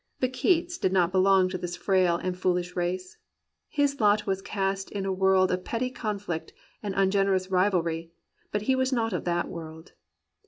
But Keats did not belong to this frail and foolish race. His lot was cast in a world of petty conflict and imgenerous rivalry, but he was not of that world.